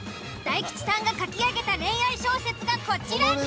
大吉さんが書き上げた恋愛小説がこちら。